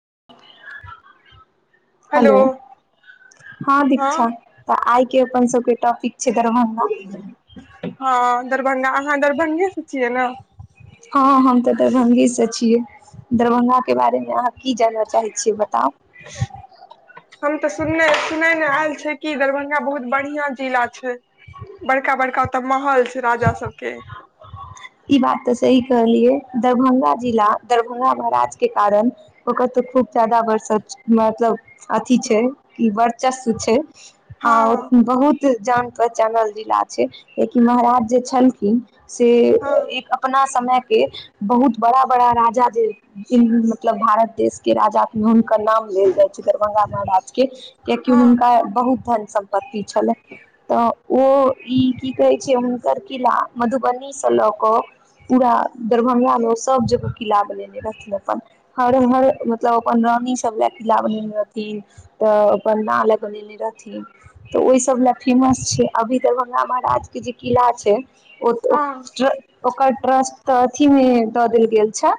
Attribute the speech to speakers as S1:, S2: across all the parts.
S1: [inaudible] Hello हँ दीक्षा तऽ आइ के अपन सबके टॉपिक छै दरभंगा
S2: हँ दरभंगा अहाँ दरभंगे से छियै ने
S1: हँ हम तऽ दरभंगे से छियै। दरभ्ंगा के बारे मे अहाँ। की जानऽ चाहै छियै बता।
S2: हम तऽ सुनने सुना आयल। क दरभंगा बहुत बढ़िया। [inaudible] बड़का बड़का। तऽ माहौल। राजा सबके।
S1: ई बात तऽ सही कहलियै दरभंगा जिला दरभंगा महाराजके कारण ओकर तऽ खूब जादा बरस मतलब अथी छै कि वर्चस्व छै।
S2: हँ
S1: आ बहुत। जान पहचानल जिला छै लकि महाराज जे छलखिन से।
S2: हँ
S1: एक अपना समय। के बहुत बड़ा बड़ा राजा जे मतलब भारत देश के राजा। नाम लेल जाइ छै दरभंगा महाराज के कियकि
S2: हँ
S1: हुनका बहुतन। सम्पत्ति छलै तऽ ओ ई की कहे छै हुनकर किला मधुबनी से लग। केऽ पूरा दरभंगामे ओ सभ जगह किला बनेने रहथिन अपन हर हर मतलब अपन रानी सब लए किला बनेने रहथिन तऽ अपन ना लए बनेने रहथिन तऽ ओहि सभ लए फेमस छै अभी दरभ्ंगा महाराजके जे किला छै।
S2: हँ
S1: [unintelligible] ओकर ट्रस्ट तऽ अथीमे दऽ देल गेल छै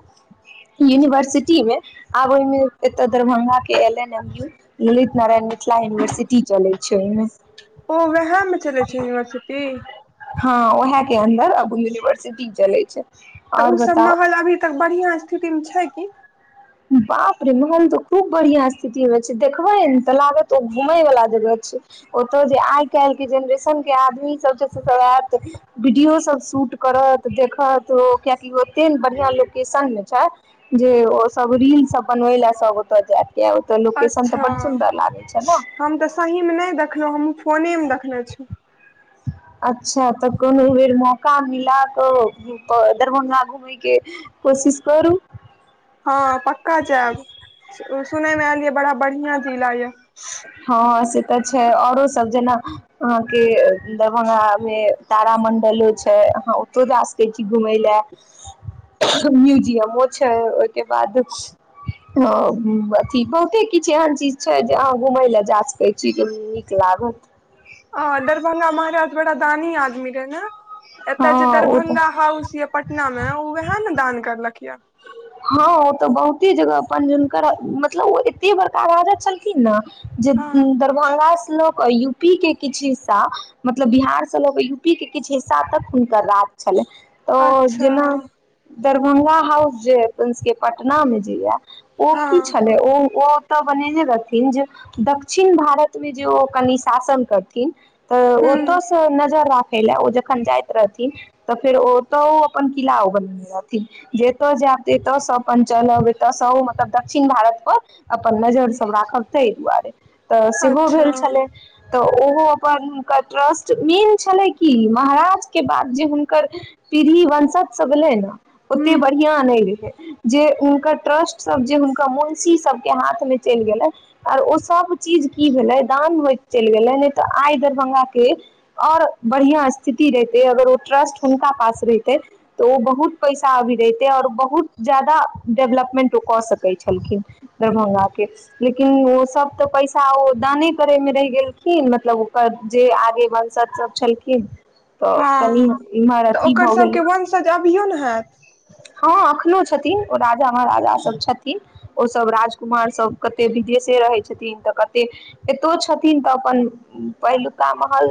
S1: यूनिवर्सिटीमे आब ओहिमे एतऽ दरभ्गाके L N M U Lalit Narayan Mithila university चलै छै ओहिमे।
S2: ओ उएहमे चलै छै यूनिवर्सिटी।
S1: हँ उह के अन्दर अब यूनिवर। सी चले छै।
S2: तऽ
S1: आओर
S2: ओसभ
S1: बताउ
S2: माहौल अभी तक बढ़िआँ स्थितिमे छै कि।
S1: बाप रे महल तऽ खूब बढ़ििया स्थिति मे छै देखबै ने तऽ लागत ओ घूमय वालला जगह छै ओतय जे आइ काल्हि के जेनरेशन के आदमी सब सब आयत वीडियो सब शूट करत देखत ओ कियकि ओते ने बढ़ििया लोकेशन मे छै जे। सब रील्स बनबै ले जाइत।
S2: अच्छा
S1: छै ने
S2: [unintelligible] हम तऽ सहीमे नहि देखलहुँ हमहूँ फोनेमे देखने छी।
S1: अच्छा तऽ कोनो बेर मौका मिला कऽप दरभंगा घुमयके कोशिश करू।
S2: हँ पक्का जायब सुनय मे आयलिये बड़ा बढ़ििया। जे लागै।
S1: हँ से तऽ छै औरो सब जेना। अहाँके दरभंगा मे तार मंडलो छै अहाँ ओतो जा सकै छी घुम ल म्युजियमो छै ओहिके बाद अथ बहुते किछ एहन चीज छै जे। घुमै ल जास कहै छी त नीक लागत।
S2: आ दरभङ्ंगा हमारे हथ बड़ा दानी आदमी रहै ने।
S1: हँ
S2: एतय जे
S1: ओ तऽ
S2: दरभंगा हाउस यऽ पटना मे ओ उएह ने दान करलक यए।
S1: हँ ओ तऽ बहुत। [unintelligible] एते जगह अपन जिनकर मतलब ओ एते बड़का राजा छलखिन न। जे
S2: हँ
S1: दरभंगा। [unintelligible] यू पी के किछु हिस्सा मतलब बिहार से ल यूपी के किछु हिस्सा तक हुनकर राज छलै। [unintelligible] तऽ
S2: अच्छा
S1: जेना। [unintelligible] दरभंगा हाउस जैब। [unintelligible] अपन सबके पटना में जय। ओ
S2: हँ
S1: कि छल ओ -ओ। [unintelligible] तऽ बनेने रहथिन जे दक्षिण भारतमे जे ओ कनि शासन करथिन। [unintelligible] तऽ
S2: हूँ
S1: ओतौस। [unintelligible] ख ले ओ जखन जाइत रहथिन तऽ फेर ओतऽ ओ अपन किलला ओ बनने रहथिन जेतय जा। एतयसँ अपन चलब एतयसँ मतलब दक्षिण भारत पर अपन नजर सब राखब ताहि दुआरे। तऽ सेहो
S2: अच्छा
S1: भेल छलै। तऽ ओहो अपन हुनकर ट्रस्ट मेन छलै कि महाराजके बाद जे हुनकर पीढ़ी वंशज सब एलै न। [unintelligible] ओते
S2: हूँ
S1: बढ़िआ नई। [unintelligible] जे हुनकर ट्रस्टसभ जे हुनकर मुन्शी सबके हाथमे चलि गेलै आर ओ सब चीज की भेलै दान होइत चलि गेलै नहि तऽ आइ दरभ्गाके आओर बढ़िआँ स्थिति रहितै अगर ओ ट्रस्ट हुनका पास रहितै तऽ ओ बहुत पैसा अभी रहितै आओर बहुत। ज्यादा डेवलपमेंट ओ कऽ सकैत छलखिन। दरभङंगा के लेल। [unintelligible] लेकिन ओ सब तऽ पैसा ओ दाने करेमे रहि गेलखिन मतलब ओकर जे आगे वंशज सब छलखिन। [unintelligible] तऽ कनि
S2: हँ
S1: एम्हर अथी भऽ गेलै। [unintelligible]
S2: अभियओ नहि होयैत। [unintelligible]
S1: हँ एखनो छथिन ओ राजा महाराजा सभ छथिन ओसभ राजकुमार सब कते विदेशे रहै छथिन तऽ कते एतो छथिन तऽ अपन पहिलुका महल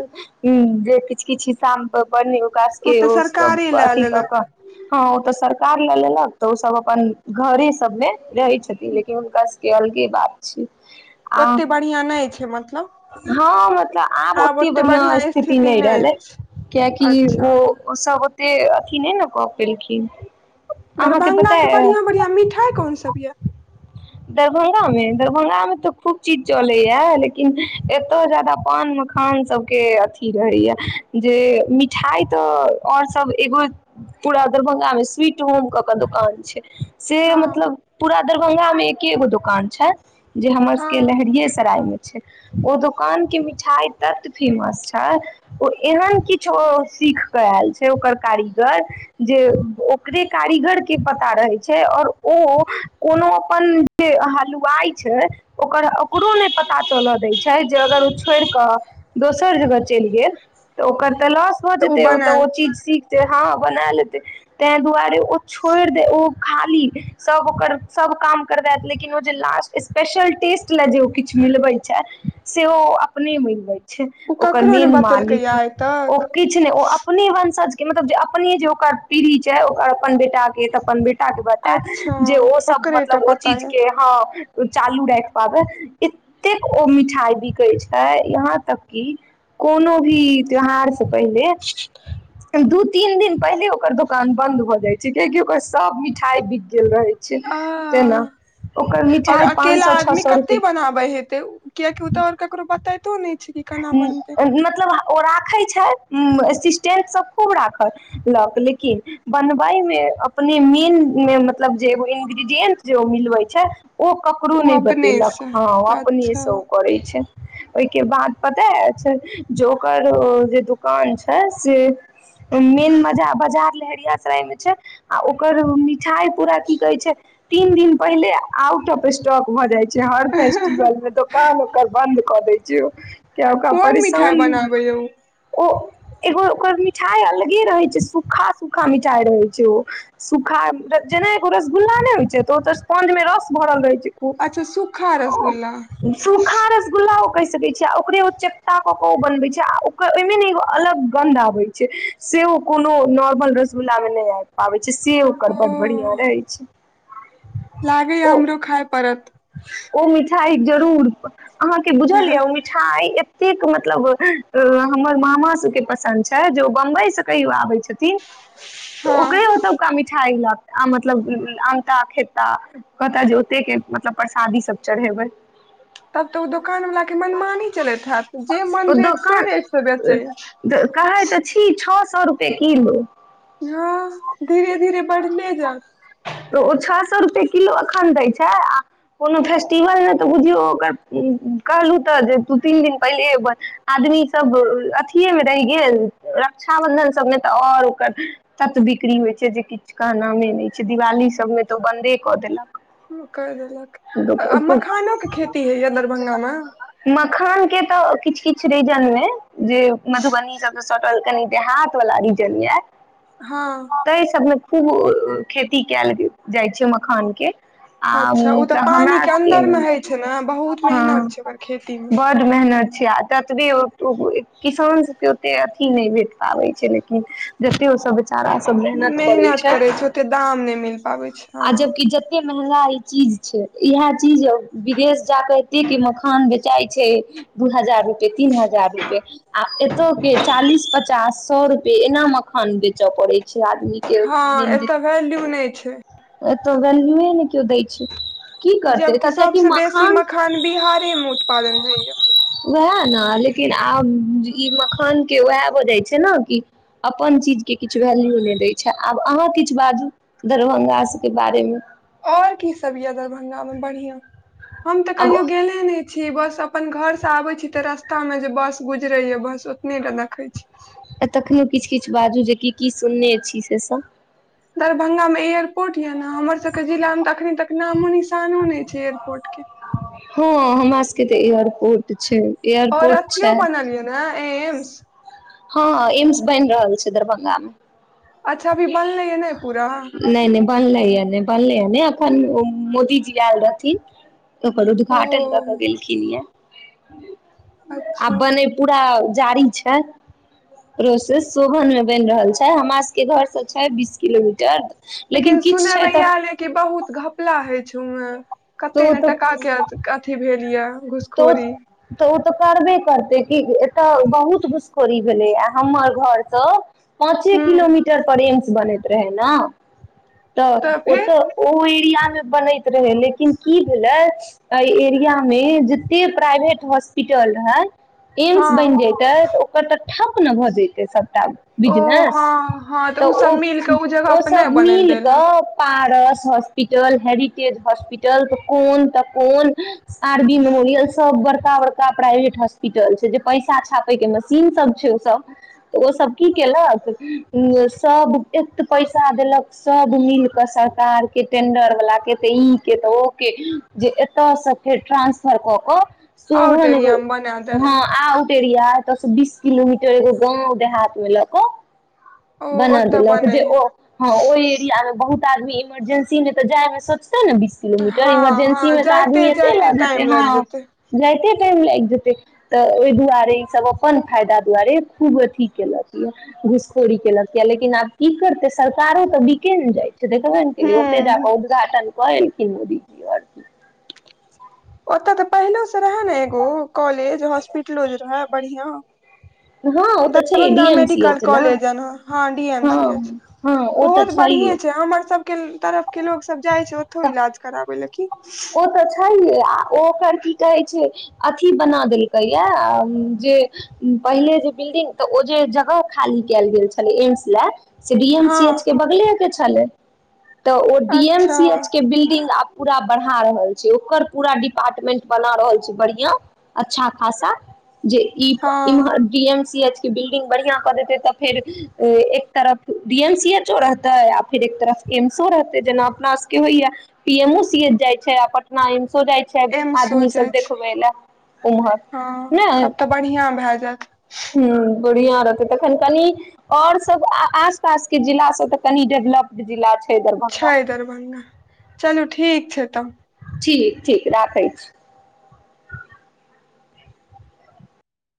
S1: जे किछु किछु हिस्सामे। कश
S2: ओ
S1: के
S2: तऽ
S1: सब
S2: सरकारे लए
S1: अथी कऽ -कऽ
S2: लेलक
S1: हँ। त। [unintelligible] कार ले लेलक तऽ ओ सब अपन घरे सब मे रहे छथिन लेकिन हुनका सब के अलगे बात छी। [unintelligible] आ [unintelligible]
S2: ओते बढ़िआँ नहि छै मतलब
S1: हँ मतलब आब ओते बढ़िआं स्थिति नहि रहलै कियकि
S2: अच्छा
S1: ओ सब। से अथी नहि ने कऽ पेलखिन। [unintelligible] अहाँके पता
S2: दरभंगाके बढ़िआँ- बढ़िआँ मिठाइ कोनसभ यए। [unintelligible]
S1: दरभंगामे दरभंगामे तऽ खूब चीज चलैया लेकिन एतय जादा पान मखान सबके अथी रहैया जे मिठाई तऽ आओर सब एगो पूरा दरभंगामे स्वीट। [inaudible] होम क के दुकान छै। [unintelligible] से
S2: हँ
S1: मतलब पूरा। [unintelligible] दरभंगा मे एके गो दुकान छै। [unintelligible] जे हमर सबके
S2: हँ
S1: लहरिये सराय मे। [unintelligible] छै ओ दोकान के मिठाइ तत फेमस छै ओ एहन किछो सीख कऽ आयल छै ओकर कारीगर जे। [inaudible] ओकरे कारीगर के पता रहे छै और ओ कोनो अपन जे हलुवाइ छै ओकर ओकरो ने पता चलऽ दय छै जे अगर ओ छोइड़ क दोसर जगह। [inaudible] चैल गेल त ओकर त लौस भ
S2: तऽ
S1: जेतै ओत
S2: बनायल
S1: ओ चिज। [unintelligible] हँ बना लेतै। [unintelligible] तै दुआरे ओ छोड़ि दे ओ खाली सभ ओकर सभ काम करबैत लेकिन ओ जे लास्ट स्पेशल टेस्ट लए जे ओ किछु मिलबै छै सेहो अपने मिलबै। [inaudible] छै
S2: ओ
S1: ओकर
S2: ककरो ने
S1: मेन
S2: बतेलकै ये
S1: मालिक
S2: आइ
S1: ओ
S2: तक
S1: किछ ओ अपने वंशज। [inaudible] मतलब जे अपने जे ओकर पीड़ी। [inaudible] चाह ओ अपन बेटा के तऽ अपन बे। [unintelligible] के
S2: अच्छा
S1: बतैत जे ओ सब
S2: ओकरे टा
S1: मतलब ओ
S2: पता
S1: चीज
S2: ये
S1: के हँ। चालू रैख पाबै एतेक ओ मिठाइ बिकै छै यहाँं तक कि कोनो भी त्यौहार से पहिले। [unintelligible] दूध। [unintelligible] तीन दिन पहिले ओकर। [unintelligible] दुकान बंद भ जाय छै कियाकि ओकर सब मिठाई बिक गेल रहे छै। [unintelligible] तेना
S2: आऽ
S1: ओकर
S2: [unintelligible] और
S1: मिठाइ पाँच
S2: अकेला
S1: सए छओ
S2: आदमी
S1: सए
S2: कते
S1: रुपए
S2: बनाबे हेते किएकि ओ तँ और ककरो पर। [unintelligible]
S1: मतलब ओ राखै छै। [unintelligible] असिस्टेंट सब खूब राखत लक लेकिन बनबयमें अपने मेन में मतलब जे एगो इन्ग्रीडिएंट जे मिलबै छै। [unintelligible] ओ ककरो
S2: ओ
S1: नै बतेलक
S2: अपनेसँ
S1: हाँ ओ अपने
S2: अच्छा
S1: से ओ करे छै। [unintelligible] ओइके बाद। [unintelligible] पता यऽ अक्षत ज ओकर ओ जे दुकान छै से मेन बजा बजार लहेरियासराय में छै आ ओकर मिठाइ पूरा की कहे छै तीन दिन पहिले आउट ऑफ स्टॉक भऽ जाय छै। जे हर फेस्टिवल मे दोकान ओकर बंद। [unintelligible] किया ओकरा
S2: कोन मिठाइ
S1: परेशान
S2: बनाबै यौ
S1: ओऽ। [unintelligible] एगो ओकर मिठाइ अलगे रहै छै सूखा -सूखा मिठाइ रहे छै ओ सूखा जेना एगो रसगुल्ला ने होइ छै तऽ ओ स्पंज में रस भरल रहै छै। [inaudible]
S2: अच्छा सूखा रसगुल्ला
S1: सूखा रसगुल्ला। कहि सकै छी। [unintelligible] ओकरे ओ चपटा कऽ के ओ बनवै छै आ ओकर ओइमे न एगो अलग गंध आबे छै सेओ कोनो नॉर्मल रसगुल्ला मे नै आबि पाबै छै। [unintelligible] से ओकर बड़ बढ़िया रहै छै। [unintelligible]
S2: लागै यऽ
S1: ओ
S2: हमरौ खाइ पड़त।
S1: ओ। [unintelligible] सा जर उड़त। [unintelligible] अहाँके बुझल यऽ ओ मिठाई। [unintelligible] एतेक मतलब हमर मामा सबके पसन्द छै जे बम्बई से कहियो आबै छथि। तऽ [unintelligible]
S2: हँ
S1: ओकरे ओतबका मिठाइ गेलत। आ मतलब आनता खेता कहता जे ओते के। [unintelligible] मतलब परसादी सब चढ़ेबै। [unintelligible]
S2: तब तऽ ओ दोकानवलाके मनमानी चलैत हैत जे मन
S1: ओ
S2: रेट से
S1: दोकान
S2: रेटसँ बेचैए।
S1: कहै तऽ छी छओ सए रुपए किलो।
S2: हँ धीरे- धीरे बढ़ले जात।
S1: तऽ ओ छओ सए रुपए किलो एखन दै छै। कोनो फेस्टिवल नहि तऽ बुझियौ ओकर कहलहुँ तऽ जे दू तीन दिन पहिले आदमीसभ अथिएमे रहि गेल रक्षाबन्धन सभमे तऽ आओर ओकर तत्व बिक्री होइत छै जे किछु कहनाामे नहि छै दिवाली सभमे तऽ ओ बन्दे कऽ देलक।
S2: [unintelligible] आ मखानो के खेती होइया दरभंगा मे
S1: मखान के तऽ। किछ- किछ रीजन मे जे मधुबनी सबस सटल कनी देहात वाला रीजन ये।
S2: हँ
S1: तहि सबमे। खूब खेती कल जाय छै मखान के। आ
S2: अच्छा ओ त।
S1: तऽ हमरा सब
S2: मेहनत
S1: ह
S2: छै ओकर खेती मे
S1: बड मेहनत छी आ ततबी। किसान सबके ओते अथी नहि भेट पाबै छै लेकिन। ओ सब बेचारा सब
S2: मेहनत करै छै ओते दाम नहि मिल पाबै छै हँ।
S1: महगाइ चीज। इएह चीज विदेश जााकऽ एतेक मखान बेचाइ छै दू हजार। तीन हजार रुपए आ एतय के चालीस। पचास सए रुपे एना मखान बेचय पड़े।
S2: हँ एतय वैल्यू नहि छै।
S1: तऽ व्यूए ने किओ दै छै। की करतै एतय
S2: जबकि सबस बेसी मखान बिहारे मे। उत्पादन होइया
S1: वएह। ने लेकिन आब ई मखान के उएह भ जाइ छै ने कि अपन चीज के किछु वैल्यू नहि दय छै आब अहाँ किछु बाजू दरभंगा सब के बारे मे।
S2: और की सब या दरभ अंगा मे बढ़ियाँ। हम ते
S1: आब
S2: कहियो गेले ने छी बस अपन घर से आबै छी तऽ रस्ता मे जे बस गुजरै या बस ओतनेटा देखै छी।
S1: अ तखनौ किछ-किछ बाजू जे की-की सुनने छी से सब।
S2: दरभंगा मे एयरपोर्ट। हमर सब जिला त अखनि तक नामो निशानो नहि छै एयरपोर्टके।
S1: क तऽ एयरपोर्ट छै।
S2: और
S1: एयरपोर्ट
S2: अथियो बनलयै ने। एम्स।
S1: हाँ एम्स बैन रहल छै दरभंगा मे।
S2: अच्छा अभी बनलै या ने पूरा।
S1: बनलै या नै बनलै या नै अ ओ मोदीजी आएल रहथिन। ओकर
S2: ओ
S1: उद्घाटन दखे गेलखिन या। [unintelligible] आब
S2: अच्छा
S1: बने पूरा जारी छै प्रोसेस, शोभन मे बैन रहल छै, हमरा स के घर से छै बीस किलोमीटर।
S2: लेकिन
S1: किछु
S2: सुनय
S1: छै
S2: मे
S1: तऽ
S2: आएल ए कि बहुत घपला हय छै। [unintelligible] कते ने टका
S1: तऽ
S2: के अत अथी भेल या।
S1: तो तो उ तऽ करबे करते। [unintelligible] एता बहुत घुसखोरी भेले या, आ हमर घर से पाँचे
S2: हूँ
S1: किलोमीटर पर एम्स बनैत रहेै ना। तऽ ओ तऽ उ ई टी आर मे बनैत रहै, लेकिन की भेलै ए एरिया मे जते प्राइवेट हॉस्पिटल रहै
S2: हँ
S1: एम्स बैन जेतै तऽ ओकर ते ठप ने भऽ जतै सब टा
S2: ओ
S1: बिजनेस
S2: हँ हँ
S1: तऽ
S2: ओ सब
S1: उ
S2: मिल कऽ जगह
S1: ओ
S2: पर नहि
S1: सब
S2: बनल
S1: मिल
S2: देल
S1: के
S2: हैत
S1: पारस हॉस्पिटल, हेरिटेज हॉस्पिटल तऽ कोन तऽ कोन आर बी मेमो रियल सब बड़का-बड़का प्राइवेट हॉस्पिटल छै जे पैसा छापे के मशीन सब छै उ सब त ओ सब की केलक उम्म सब एत पैसा देलक सब मिल के सरकार के, टेंडर वला के त ई के तऽ ओ के जे एता से फेर ट्रांस फर क
S2: आउट एरिया मे
S1: क
S2: बना
S1: [unintelligible]
S2: देल
S1: हाँ
S2: हैत
S1: आउटे तस बीस किलोमीटर एगो गाँ देहातमे ल क।
S2: ओ
S1: बना
S2: ओतऽ
S1: देलक
S2: बनै
S1: जे
S2: हे
S1: ओ हँ ओहि एरिया। बहुत आदमी इमरजेंसी मे तऽ जाय मे सोच ने बीस किलोमीटर
S2: हँ
S1: इमरजेंसी
S2: हँ
S1: मे तऽ आदमी
S2: जाइते
S1: एते
S2: जाइते
S1: लऽ जेतै।
S2: टाइम लागि
S1: हँ
S2: जेतै
S1: जाइते। कते टाइम लागि जेते ते ओहि दुआरे ई सब अपन फायदा दुआरे खूब अथी केलक ये घूसखोरी केलक या लेकिन आब की करते सरकारो तऽ बिके ने जाय छै। देखबै ने की ओते
S2: हूँ
S1: जााकऽ उद्घाटन कर। क दिय आक।
S2: ओतय तऽ पहिलो से रहे ने एगो कॉलेज हॉस्पिटलो जे रहे बढ़िया।
S1: हँ ओ तऽ छै
S2: Darbhanga
S1: D M C
S2: medical
S1: H ने
S2: कॉलेज हं डी एम सी
S1: हँ
S2: एच
S1: हँ ओ
S2: हो
S1: तऽ
S2: तो
S1: छैहे
S2: बढीये छै हमर सबके। तरफ के लोग सब। जाइ छै
S1: तऽ
S2: ओथो इलाज कराबै ल की।
S1: तऽ छैहे ह। ओ ओकर की कहै छै। अथी बना देलकैए जे पहिले जे बिल्डिंग तऽ ओ जे जगह खाली कयल गेल छलै एम्स लए। से बी एम
S2: हँ
S1: सी एच के बगले। के छले। तऽ ओ डी एम
S2: अच्छा
S1: सी एच। बब पूरा बढ़ा रहल छै ओकर पूरा डिपार्टमेंट बना रहल छै बढ़आ अच्छा खासा। जे ईी
S2: हँ
S1: इमहर डी एम सीएच। बिल्डिंग बढ़िया कर देते तऽ फेर एक तरफ डी एम सी एचो रहते आ फेर एक तरफ एम्सो रहते जेना अपना। होइया पी एम ओ सी ए जाइ छै आ पटना एमस। सो जाइ छै
S2: एम्सो
S1: आदमी सब
S2: जाइ छै
S1: देखबै लए उम्हर
S2: हँ
S1: ने।
S2: तब तऽ बढ़िआँ भए जायत
S1: ह बढ़िआँ रहतै तखन कनि आओरसभ आसपासके जिलासभ तऽ कनि डेवलप्ड जिला छै।
S2: छै
S1: दरभंगा
S2: दरभङ्ंगा चलू। ठीक छै तऽ।
S1: ठीक -ठीक राखै छी।